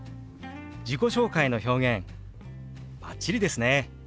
自己紹介の表現バッチリですね！